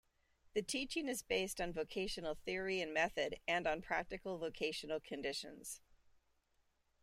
The teaching is based on vocational theory and method and on practical vocational conditions.